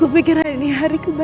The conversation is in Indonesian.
endingnya sumiroh tengah